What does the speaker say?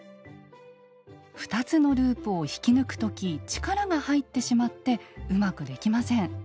２つのループを引き抜く時力が入ってしまってうまくできません。